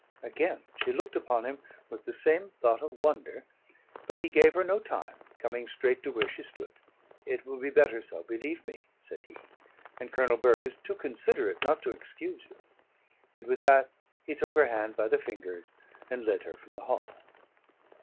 Again she looked upon him with the same thought of wonder; but he gave her no time, coming straight to where she stood. "It will be better so, believe me," said he; "and Colonel Burke is too considerate not to excuse you." And with that he took her hand by the fingers, and led her from the hall.